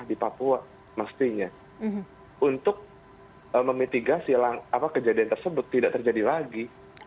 tapi yang paling penting adalah untuk memitigasi kejadian tersebut tidak terjadi lagi